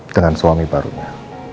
dengan suami barunya